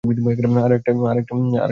আর একটা জিনিস।